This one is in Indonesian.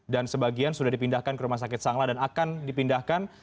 dan sebagian sudah dipindahkan ke rumah sakit sangla dan akan dipindahkan